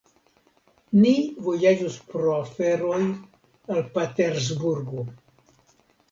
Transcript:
Ni vojaĝos pro aferoj al Patersburgo.